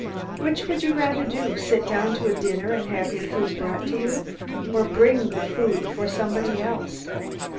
Which would you rather do sit down to a dinner and have your food brought to you, or bring the food for somebody else?